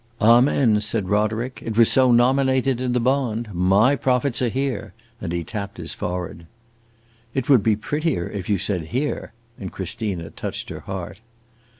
"Amen!" said Roderick. "It was so nominated in the bond. My profits are here!" and he tapped his forehead. "It would be prettier if you said here!" And Christina touched her heart.